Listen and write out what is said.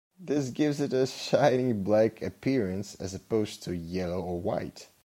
This gives it a shiny black appearance, as opposed to yellow or white.